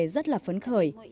rất là phấn khởi